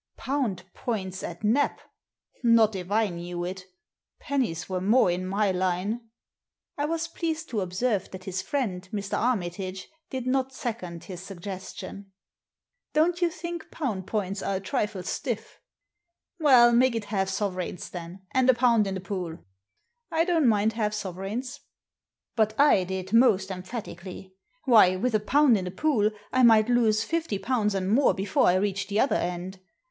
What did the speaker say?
Pound points at Nap ! Not if I knew it Pennies were more in my line. I was Digitized by VjOOQIC A PACK OF CARDS 67 pleased to observe that his friend, Mr. Armitage, did not second his suggestion. Don't you think pound points are a trifle stiff? " ''Well, make it half sovereigns then, and a pound in the pool" " I don't mind half sovereigns." But I did most emphatically. Why, with a pound in the pool, I might lose fifty pounds and more before I reached the other end.